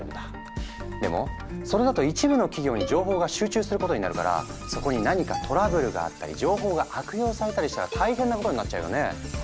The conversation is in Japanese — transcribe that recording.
でもそれだと一部の企業に情報が集中することになるからそこに何かトラブルがあったり情報が悪用されたりしたら大変なことになっちゃうよね？